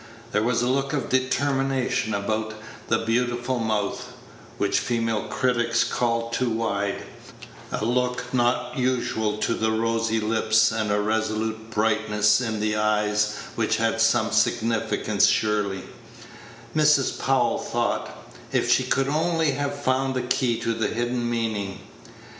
There was a look of determination about the beautiful mouth (which female critics called too wide), a look not usual to the rosy lips, and a resolute brightness in the eyes, which had some significance surely, Mrs. Powell thought, if she could only have found the key to that hidden meaning.